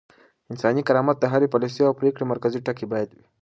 انساني کرامت د هرې پاليسۍ او پرېکړې مرکزي ټکی بايد وي.